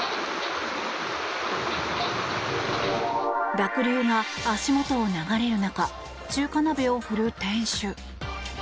濁流が足元を流れる中中華鍋を振るう店主。